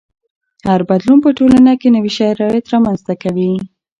هر بدلون په ټولنه کې نوي شرایط رامنځته کوي.